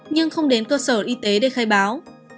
nhưng không đến cơ sở y tế để khai báo